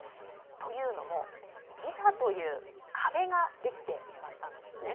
というのも、ビザという壁ができてしまったんですね。